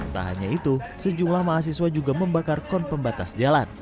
tahannya itu sejumlah mahasiswa juga membakar kon pembatas jalan